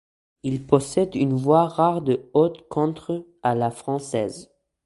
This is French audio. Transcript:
Il possède une voix rare de haute-contre à la française.